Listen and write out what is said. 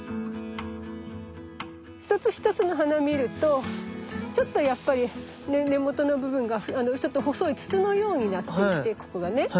一つ一つの花見るとちょっとやっぱり根元の部分がちょっと細い筒のようになっていてここがね。